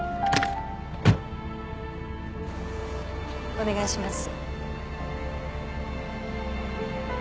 お願いします。